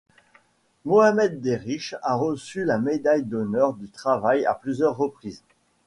Mohamed Deriche a reçu la Médaille d'honneur du travail à plusieurs reprises.